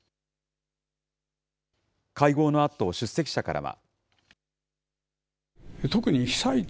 会合のあと、出席者からは。